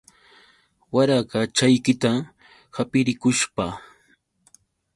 Warakachaykita hapirikushpa.